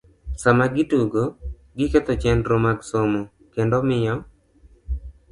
Sama gitugo, giketho chenro mag somo, kendo miyo